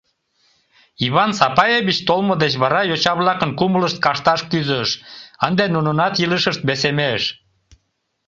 Иван Сапаевич толмо деч вара йоча-влакын кумылышт кашташ кӱзыш: ынде нунынат илышышт весемеш.